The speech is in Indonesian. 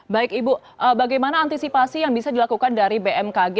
baik ibu bagaimana antisipasi yang bisa dilakukan dari bmkg